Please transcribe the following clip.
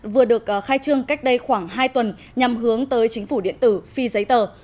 vừa được khai trương cách đây khoảng hai tuần nhằm hướng tới chính phủ điện tử phi giấy tờ